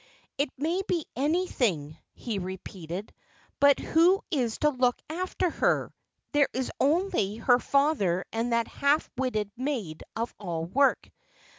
"It may be anything," he repeated. "But who is to look after her? There is only her father and that half witted maid of all work.